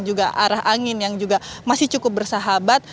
juga arah angin yang juga masih cukup bersahabat